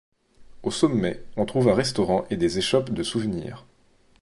Au sommet, on trouve un restaurant et des échoppes de souvenirs.